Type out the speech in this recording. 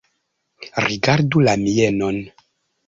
Rigardu la mienon!